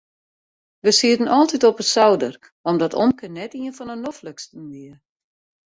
We sieten altyd op de souder omdat omke net ien fan de nofliksten wie.